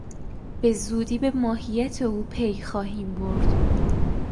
بزودی به ماهیت او پی خواهیم برد.